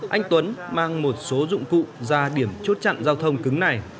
anh tuấn mang một số dụng cụ ra điểm chốt chặn giao thông cứng này